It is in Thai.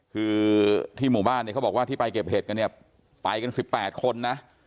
คือที่หมู่บ้านเนี่ยเขาบอกว่าที่ไปเก็บเห็ดกันเนี่ยไปกัน๑๘คนนะ